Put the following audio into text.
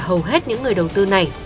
hầu hết những người đầu tư này